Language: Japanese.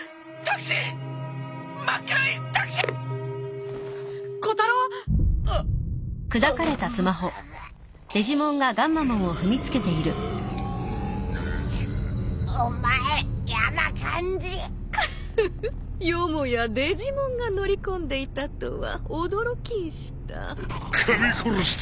クフフよもやデジモンが乗り込んでいたとは驚きんした。